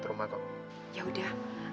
terus saja tak buat yang perlu begitu